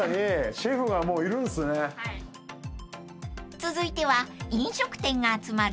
［続いては飲食店が集まる］